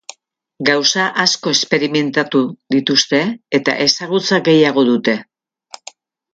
Gauza asko esperimentatu dituzte eta ezagutza gehiago dute.